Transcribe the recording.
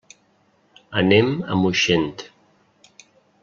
Anem a Moixent.